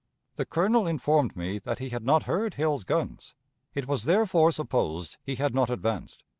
The Colonel informed me that he had not heard Hill's guns; it was, therefore, supposed he had not advanced.